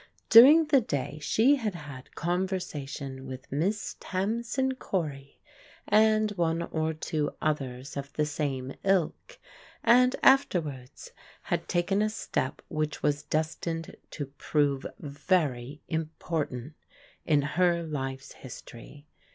During the day she had had conversa tion with Miss Tamsin Cory, and one or two others of the same ilk, and afterwards had taken a step which was destined to prove very important in her life's history.